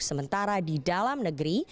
sementara di dalam negeri